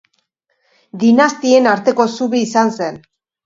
Dinastien arteko zubi izan zen.